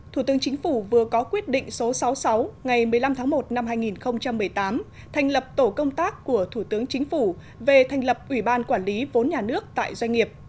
thủ tướng chính phủ vừa có quyết định số sáu mươi sáu ngày một mươi năm tháng một năm hai nghìn một mươi tám thành lập tổ công tác của thủ tướng chính phủ về thành lập ủy ban quản lý vốn nhà nước tại doanh nghiệp